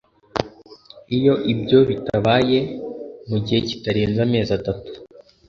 iyo ibyo bitabaye, mu gihe kitarenze amezi atatu